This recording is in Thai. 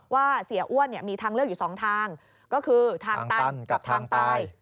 ว่าเสียอ้วนมีทางเลือกอยู่สองทางก็คือทางตันกับทางตาย